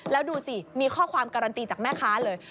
แล้วดูสิมีข้อความการันตีจากแม่ค้าเลย